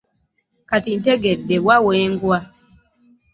Kati ntegedde wwa wengwa